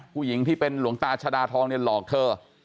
ผู้หญิงที่เป็นหลวงตาชดาทองเนี่ยหลอกเธอ